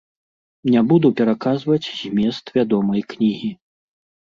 Не буду пераказваць змест вядомай кнігі.